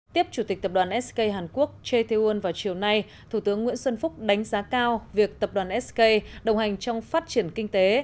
tiếp chủ tịch tập đoàn sk hàn quốc jeun vào chiều nay thủ tướng nguyễn xuân phúc đánh giá cao việc tập đoàn sk đồng hành trong phát triển kinh tế